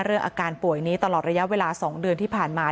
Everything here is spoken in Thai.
อาการป่วยนี้ตลอดระยะเวลา๒เดือนที่ผ่านมา